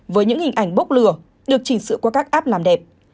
với những hình ảnh bốc lửa được chỉnh sự qua các app làm đẹp